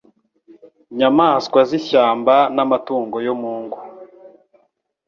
nyamaswa z’ishyamba n’amatungo yo mu ngo